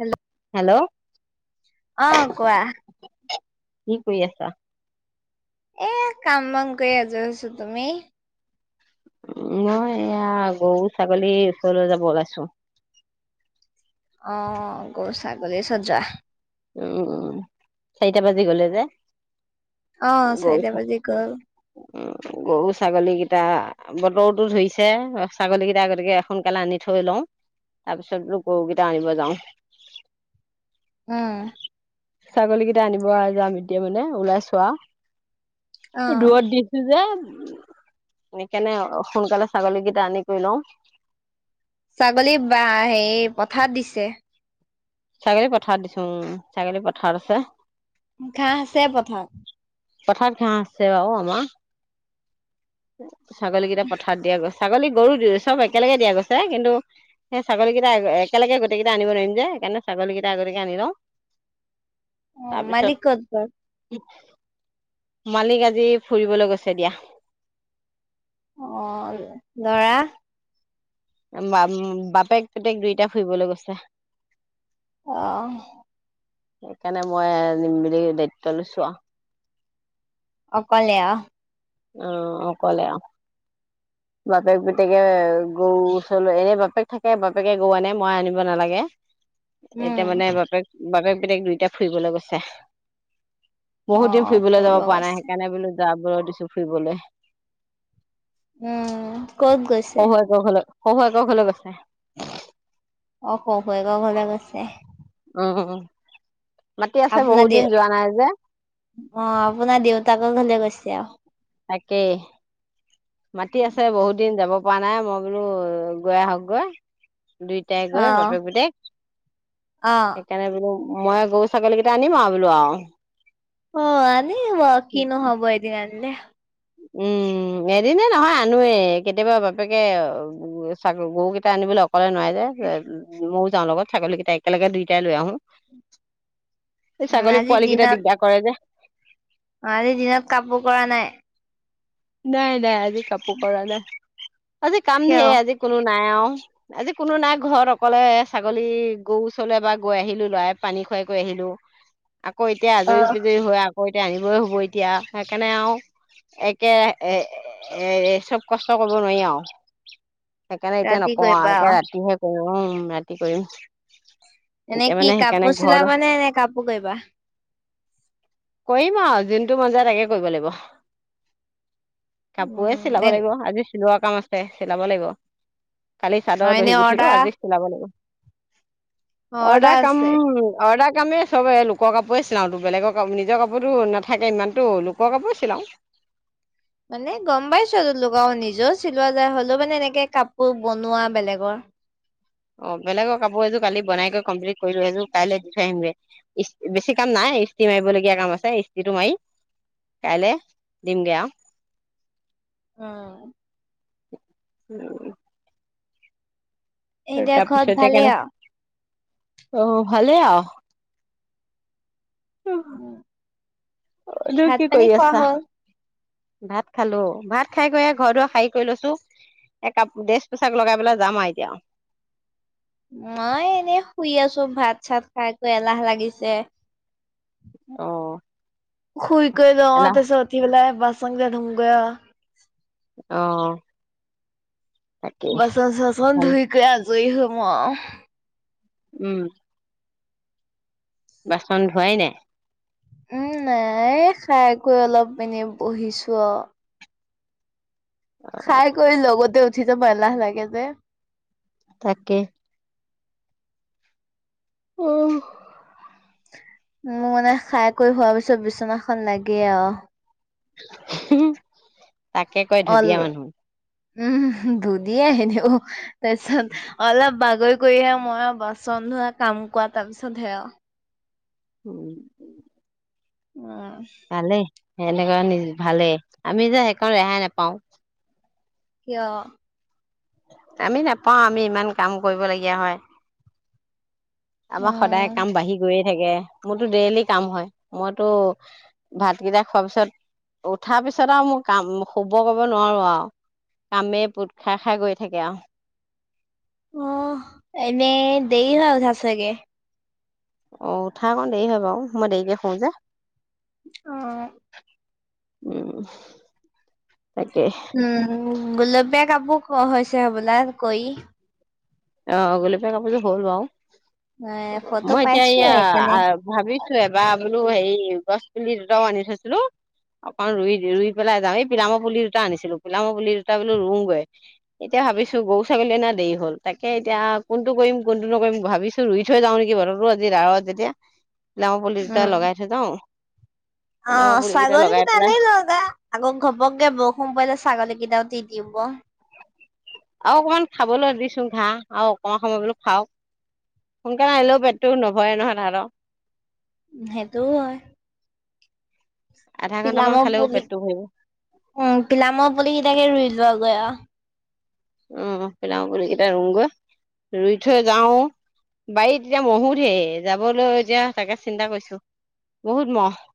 Hello hello আহ কোৱা? কি কৰি আছা? এ কাম বন কৰি আজৰি হৈছো তুমি? উ মই এয়া গৰু ছাগলীৰ ওচৰলৈ যাব ওলাইছো অ গৰু ছাগলী ওচৰত যোৱা উম উম চাৰিটা বাজি গলে যে। অ চাৰিটা গৰু বাজি গ'ল উম গৰু ছাগলী কিটা বতৰটো ধুৰিছে ছাগলী কেইটা গতিকে সোনকালে আনি থৈ লওঁ তাৰ পিছতো গৰুকেইটা আনিব যাও। উম ছাগলী কেইটা আনিব যাম এতিয়া মানে ওলাই অও অ ৰ'দ দিছে যে সেই কাৰণে সোনকালে ছাগলীকেইটা আনি থৈ লও ছাগলী বা হেৰি পথাৰ দিছে ছাগলী পথাৰ দিছো, উ ছাগলী পথাৰত আছে। ঘাঁ আছে পথাৰত৷ পথাঅত ঘাঁ আছে বাউ আমা ছাগলীকেইটা পথাৰত দিয়া গৈছ ছাগলী গৰু চব একেলগে দিয়া গৈছে কিন্তু সেই ছাগলীকেইটা একেলগে গোটেইকেইটা আনিব নোৱাইম যে সেইকাণে ছাগলীকেইটা আগতীয়কে আনি লওঁ অ তাৰপিছত মালিক কত গল মালিক আজি ফুৰিবলৈ গৈছে দিয়া অ লৰা বা, বাপেক পুতেক দুইটা ফুৰিবলৈ গৈছে৷ আহ সেইকাণে মই নিম বুলি দায়িত্ব লৈছো আউ৷ অকলে অ' অকলে অ'। বাপেক-পুতেকে গৰু ওচৰলৈ- এনে বাপেক থাকে, বাপেকে গৰু আনে, মই আনিব নালাগে। উম এতিয়া মানে বাপেক- বাপেক তেক দুইটা ফুৰিবলৈ গৈছে। অ বহুত দিন ফুৰিবলৈ ফুৰিব যাব পৰা নাই গৈছে সেইকাৰণে বোলো। যাবলৈ দিছোঁ ফুৰিবলৈ। উম ক'ত গৈছে? শহুএকৰ ঘলৈ গৈছে। অ' শহুৱেকৰ ঘৰলে গৈছে। উম মাতি আছে আপোনাৰ বহুত দে দিন যোৱা নাই যে অ' আপোনাৰ দেউতাকৰ ঘৰলে গৈছে। দিয়া তাকেই। মাতি আছে বহুত দিন যাব পোৱা নাই মই বোলো গৈ আহকগৈ। দুইটাই গৈ বাপেক -পুতেক অ অ সেইকাৰণে বোলো মই গৰু-ছাগলী কেইটা আনিম আৰু বোলো আও। অ' আনিব। কিনো হব এদিন আ [unintelligible] উম, এদিনে নহয় আনোৱেই। কেতিয়াবা বাপেকে অ'- ছাগল- গৰুকেইটা আনিবলৈ অকলে নোৱাৰে যে। ময়ো যাওঁ লগত। ছাগলীকেইটা একেলগে দুয়োটাই লৈ আহোঁ। এই উম ছাগলী পোৱালিকেইটাই দিগদাৰ কৰে যে। অ' আজি দিনত কাপোৰ কৰা নাই? নাই-নাই আজি কাপোৰ কৰা নাই। আজি কাম কিয় ধেৰ, আজি কোনো নাই আও। আজি কোনো নাই ঘৰত। অকলে ছাগলী, গৰু ওচৰলৈ বা গৈ আহিলোঁ, লৰাই পানী খুৱাই গৈ আহিলোঁ। আকৌ এতিয়া অ আজৰি- পিজৰি হৈ আ সৰুতে আনিবই হ'ব এতিয়া। সেইকাৰণে আৰু এক কে- এ চব কষ্ট কৰিব নোৱাৰি আৰু। সেইকাৰণে এতিয়া ৰাতি নকওঁ কৰিবা আৰু। অ এতিয়া ৰাতি হৈ অ' ৰাতি কৰিম। এনে এতিয়া কি মানে সেইকাৰণে কাপোৰ ঘৰ চিলাব নে-নে কাপোৰ কৰিবা? কৰিম আৰু যোনটো মন যায় তাকে কৰিব লাগিব। কাপোএ উম চিলাব এ লাগিব আজি। চিলোৱা কাম আছে। চিলাব লাগিব। কালি অ চাদৰ দহি এনে গুঠিলোঁ। অৰ্ডাৰ আজি চিলাব লাগিব। অৰ্ডাৰ কাম অৰ্ডাৰ কামেই চব এই লোকৰ কাপোৰে চিলাওঁতো বেলেগৰ কাপো- নিজৰ কাপোৰটো নাথাকে ইমানটো! লোকৰ কাপোৰেই চিলাওঁ। মানে গম পাইছোঁ লগাওঁ। নিজেও চিলোৱা যায়, হলেও মানে এনেকে কাপোৰ বনোৱা বেলেগৰ। অ' বেলেগৰ কাপোৰ এযোৰ কালি বনাই গৈ কমপ্লিট কৰিলোঁ। সেইযোৰ কাইলৈ দি থৈ আহিমগে। ইস- বেছি কাম নাই, ইস্ত্ৰি মাৰিবলগীয়া কাম আছে। ইস্ত্ৰিটো মাৰি কাইলে দিমগে আও। উম। উম এতিয়া ঘৰত তাৰপিছতে ভালে কেনে আও। অ' ভালে আও। [inaudible] [unintelligible] ভাত কি পানী কৰি খোৱা আছা? হ'ল ভাত খালোঁ। ভাত খাই-কৈ ঘৰ দুৱাৰ এই সাৰি-কৰি লৈছোঁ। এককাপ ড্ৰেছ-পোছাক লগাই পেলাই যাম আৰু এতিয়া। মই এনেই শুই আছোঁ, ভাত-চাত খাইকৈ এলাহ লাগিছে। অ'। শুই কৰি লওঁ। এলা তাৰ পিছত উঠি পেলাই বা বাচনকেইটা ধুমগৈ আও। অ' তাকেই বাচন-ছাচন ভাল ধুই ক আজৰি হ'ম আৰু। উম বাচন ধোৱাই নাই? উম নাই খাইকৈ অলপ মানি বহিছো আও। অ খাই কৰি লগতে উঠি যে কেতিয়াবা এলাহ লাগে যে তাকে। [unintelligible] মোৰ মানে খাই কৰি হোৱাৰ পিছত বিচনাখন লাগে আও। হ‍ঁ-হঁ তাকে কয় অল ধুনীয়া মানুহ। উম, ধুনীয়া এনেও। তাৰপিছত অলপ বাগৰি কৰিহে মই আৰু বাচন ধুৱা কাম কৰা। তাৰ পিছত সেয়া উম উম পালে সেনেকা নিজ ভালেই, আমি যে সেইকণ ৰেহাই নাপাওঁ কিয়? আমি নাপাও আমি ইমান কাম কৰিবলগীয়া হয়। আমাৰ সদায় উম কাম বাঢ়ি গৈয়ে থাকে। মোৰতো ডেইলি কাম হয়। মইতো ভাতকেইটা খোৱাৰ পিছত, উঠাৰ পিছত আৰু মোৰ কাম- শুব কৰিব নোৱাৰোঁ আৰু। কামেই পোট খাই- খাই গৈ থাকে আৰু। অ' এনে দেৰি হয় উঠাত চাগে? অ' উঠাত অকণ দেৰি হয় বাৰু। মই দেৰিকে শুওঁ যে। অ', উম তাকে উম, গুলপীয়া কাপোৰ ক হৈছে হবলাৰ কৰি অ' গুলপীয়া কাপোৰযোৰ হ'ল বাৰু। নাই ফটো মই এতিয়া পাইছো এয়া সেইকাৰণে ভাবি এবাৰ বোলো হেৰি গছ পুলি দুটাও আনি থৈছিলোঁ। অকণ ৰুই- ৰুই পেলাই যাওঁ। এই পিলামৰ পুলি দুটা আনিছিলোঁ। পিলামৰ পুলি দুটা বোলো ৰুওঁগৈ। এতিয়া ভাবিছোঁ গৰু-ছাগলী অনাত দেৰি হ'ল। তাকে এতিয়া কোনটো কৰিম, কোনটো নকৰিম ভাবিছোঁ ৰুই থৈ যাওঁ নেকি? বতৰতো আজি [unintelligible] যেতিয়া লাও পুলি দুটা উম লগাই থৈ যাওঁ। পিলামৰ অ' পুলি কেইটা লগাই ছাগলীকেটা পেলাই আনি লওঁ দিয়া। আকৌ ঘপককে বৰষুণ পৰিলে ছাগলীকেইটাও তিতিব। আৰু অকমান খাবলৈ দিছো ঘাঁহ, আৰু অকণমান সময় বোলো খাওঁক, সোনকালে আহিলেও পেটটো নভৰে নহয় তেহেতৰ সেইটোও হয়। আধা ঘন্টামান পিলামৰ খালেও পুলিক- পেটটো ভৰিব উম, পিলামৰ পুলি কেইটাকে ৰুইলোঁ [unintelligible] উহ পিলাম পুলিকেইটা ৰুওঁগৈ। ৰুই থৈ যাওঁ, বাৰীত এতিয়া মহো ধেৰ যাবলৈ এতিয়া তাকে চিন্তা কৰিছো! বহুত মহ।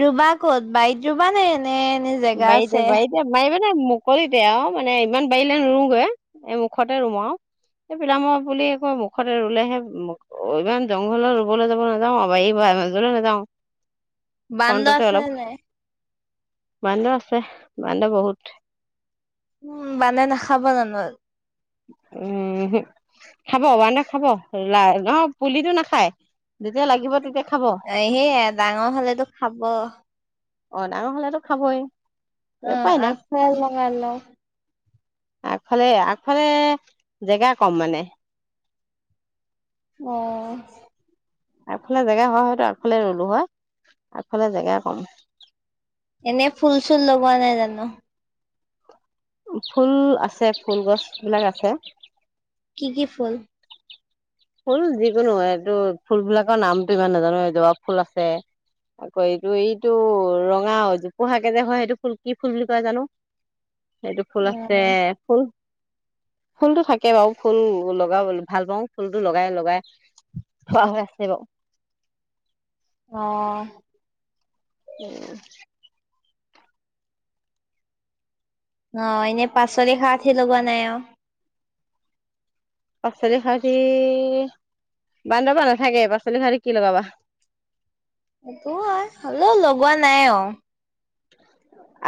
ৰুবা ক'ত? বাৰীত ৰুবা নে নে এনে জেগা বাৰীতে- আছে বাৰীতে বাৰী মানে কৰি দে আৰু মানে ইমান বাৰীলৈ নুৰুগৈ। এই মুখতে ৰুম আও। এই পিলামৰ পুলি কয় মুখতে ৰুলেহে, অ- ইমান জংঘলত ৰুবলৈ যাব নাযাওঁ। [unintelligible] মাজলৈ নাযাওঁ। বান্দৰ ফ্ৰণ্টতে অলপ আছে নে নাই? বান্দৰ আছে। বান্দৰ বহুত উম, মানুহে নাখাব জানোঁ? ওহো, খাব, বান্দৰে খাব। লাই- নহয়, পুলিটো নাখায় যেতিয়া লাগিব তেতিয়া খাব এ সেইয়া ডাঙৰ হ'লেতো খাব। অ' ডাঙৰ হ'লেতো খাবই। অ' উপায় নাই আগফালে লগাই লওঁ। আগফালে- আগফালে জেগা কম মানে। অ'। আগফালে জেগা হয় হয়তো আগফালে ৰুলো হয়! আগফালে জেগা কম। এনে ফুল-চুল লগোৱা নাই জানো? ফুল আছে। ফুল গছবিলাক আছে। কি কি ফুল? ফুল যিকোনো এইটো ফুলবিলাকৰ নামটো ইমান নাজানো এই জোৱা ফুল আছে আকৌ এইটো এইটো ৰঙা জোপোহাকে যে হয় সেইটো ফুল কি ফুল বুলি কয় জানো? সেইটো ফুল আছে উম ফুল ফুলটো থাকে বাৰু ফুল লগা ভাল পাওঁ। ফুলটো লগাই - লগাই থোৱা হৈ আছে বাৰু। অ'। উম অ' এনে পাচলি-শাকহে লগোৱা নাই আৰু? পাচলি খাৰতি বান্দৰৰ পৰা নাথাকে পাচলি খাউতি কি লগাবা এইটো হয় হ'লেও লগোৱা নাই আঔ।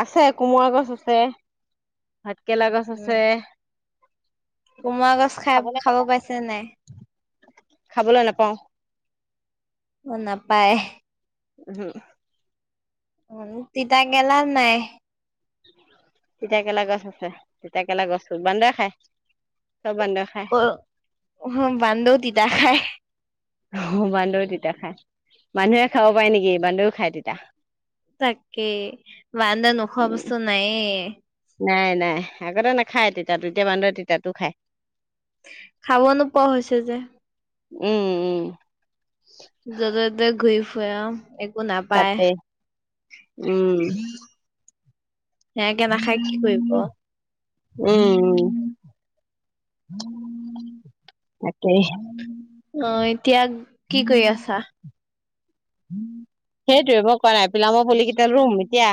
আছে কোমোৰা গছ আছে ভাতকেৰেলা গছ আছে কোমোৰা গছ খাই খাবলৈ নাপাওঁ খাব পাইছে নাই খাবলৈ নাপাওঁ অ নাপায় উ অ তিতাকেৰেলা নাই তিতাকেৰেলা গছ আছে তিতাকৰেলা গছ বান্দৰে খাই। অ অ বান্দৰৰো তিতা খাই অ বান্দৰে তিতা খায় মানুহে খাব পাৰে নেকি বান্দৰেও খায় তিতা। তাকে বান্দৰে নোখোৱা উম, বস্তু নায়েই নাই নাই আগতে নাখায়, তিতা টো এতিয়া বান্দৰে তিতাতো খায়। খাব নোপোৱা হৈছে যে উম উম বৈয়াম এক একো নাপায় তাতে উম সেয়াকে নাখায় কি কৰিব উম উ তাকে অ এতিয়া কি কৰি আছাঁ? সেইটোয়ে মই কৰা নাই পিলামৰ পুলিকেইটা ৰুম এতিয়া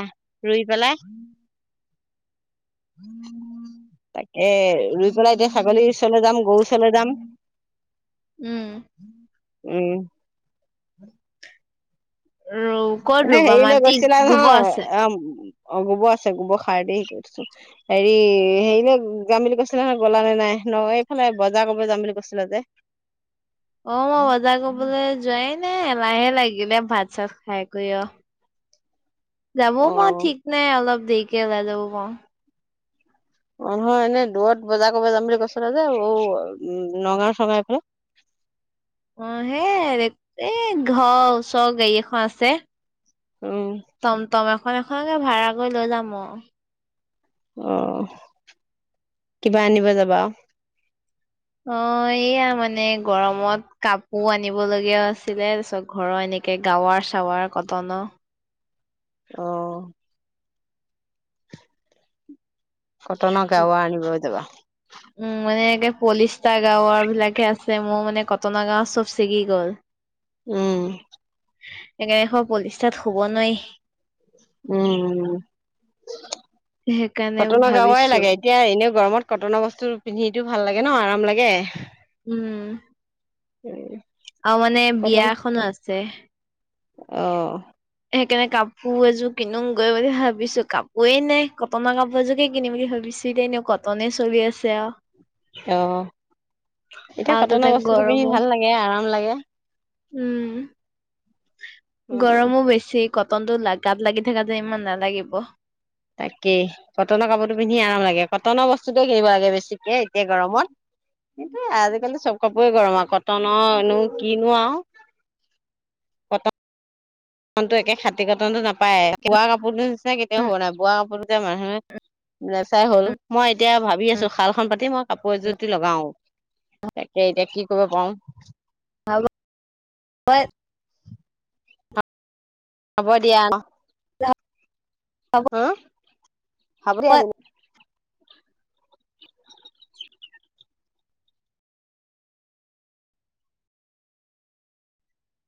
ৰুই পেলাই তাকে ৰুই পেলাই এতিয়া ছাগলীৰ ওচৰলে যাম গৰু ওচৰলে যাম। উম উম ৰ ক'ত এনেই ৰুবা হেইলে মাটি গৈছিলা গোবৰ নহয় আছে অ অ গোবৰ আছে গোবৰ খাৰ দিহেচি থৈছোঁ হেৰি হেৰিলৈ যাম বুলি কৈছিলা নহয় গলা নে নাই ন এইফালে বজাৰ কৰিব যাম বুলি কৈছিলা যে অ মই বজাৰ কৰিবলে যোৱাই মে এলাহে লাগিলে ভাত চাত খাই কৈ আঔ যাবও পাৰোঁ মই অ ঠিক নাই অলপ দেৰিকে ওলায় যাব পাৰোঁ অ নহয় এনে দূৰত বজাৰ কৰিব যাম বুলি কৈছিলা যে ঔ নগাঁও চগাঁও ফালে। অ হে এই ঘৰৰ ওচৰ গাড়ী এখন আছে উম সেখনকে ভাড়া কৰি লৈ যাম অ আহ কিবা আনিব যাবা? অ এইয়া মানে গৰমত কাপোৰ আনিবলগীয়াও আছিলে, তাৰপিছত ঘৰৰ এনেকে গাৱাৰ-চাৱাৰ কটনৰ অহ কটনৰ গাৱা আনিব যাবা। উম মানে এতিয়া পলিষ্টা গাউৱাৰ বিলাকহে আছে মোৰ মানে কটনৰ গাৱা চব ছিগি গল৷ উম একেখন পলিষ্টাত শুব নোৱাৰি। উম, সেইকাৰণে কটনৰ গাৱাই ভাবিছো লাগে, এতিয়া এনে গৰমত কটনৰ বস্তু পিন্ধিতো ভাল লাগে ন আৰাম লাগে উম। উম অ মানে বিয়া এখনো আছে৷ আহ সেইকাণে কাপো এযো কিনোগৈ বুলি ভাবিছো কাপোয়ে নাই কটন কাপো এযোকে কিনিম বুলি ভাবিছো এতিয়া এনেও কটনে চলি আছে আউ অহ। এতিয়া আৰু তাতে কটনৰ বস্তুটো পিন্ধি গৰমো ভাল লাগে, আৰাম লাগে। এ উম উম গৰমো বেছি কটনটো লা গাত লাগি থকা যে ইমান নালাগিব তাকেই কটনৰ কাপোৰটো পিন্ধি আৰাম লাগে। কটনৰ বস্তুটো কিনিব লাগে বেছিকে এতিয়া গৰমত, কিন্তু আজিকালি চব কাপোৰেই গৰম আৰু কটনৰনো কিনো আৰু কটন নতো একে খাতি কটনটো নাপায়ে উম কিৱা কাপোৰোটো সেয়া কেতিয়াও হব নোৱাৰে বোৱা কাপোৰ যে মানুহে নেচাই হল উম মই এতিয়া ভাবি উম আছো শাল খন পাতি মই কাপোৰ এযোটি লগাও তাকে এতিয়া কি কইব পাও হৈয়াত হ'ব দিয়া। হ'ব হা? হালধীয়া গুহ [unintelligible]